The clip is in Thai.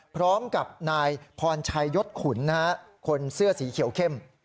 พร้อมกับนายพรชัยยศขุนคนเสื้อสีเขียวเข้ม